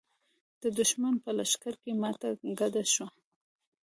د دښمن په لښکر کې ماته ګډه شوه.